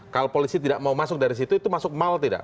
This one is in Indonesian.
kalau polisi tidak mau masuk dari situ itu masuk mal tidak